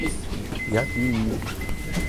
Япи!